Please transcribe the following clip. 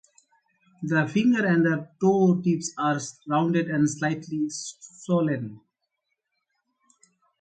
The finger and toe tips are rounded and slightly swollen.